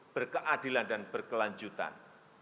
berkeadilan dan berkelanjutan